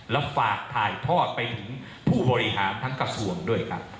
แล้วฝากถ่ายทอดไปถึงผู้บริหารทั้งกระทรวงด้วยครับ